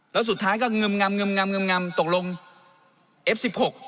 แล้วสุดท้ายก็เงิมงำเงิมงำเงิมงำตกลงเอฟสิบหก